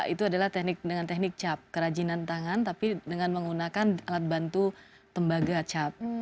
itu adalah dengan teknik cap kerajinan tangan tapi dengan menggunakan alat bantu tembaga cap